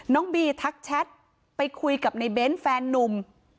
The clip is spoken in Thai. น้องบีทักแชทไปคุยกับในเบ้นแฟนนุ่ม